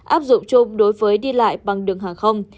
áp dụng chung đối với đi lại bằng đường hàng không